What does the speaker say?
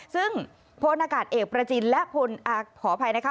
ซึ่งพลอากาศเอกประจินและขออภัยนะคะ